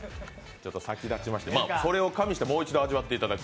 それを加味してもう一度味わっていただく。